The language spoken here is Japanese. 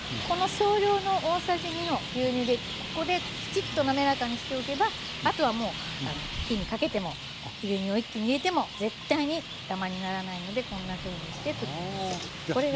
この少量の大さじ２の牛乳でここできちっとなめらかにしておけばあとはもう火にかけても牛乳を一気に入れても絶対にダマにならないのでこんなふうにして溶きのばす。